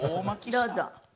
どうぞ。